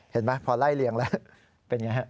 เห็นไหมพอไล่เลี่ยงแล้วเป็นไงฮะ